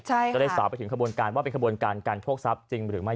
ก็ได้สาวไปถึงขบวนการว่าเป็นขบวนการการโชคทรัพย์จริงหรือไม่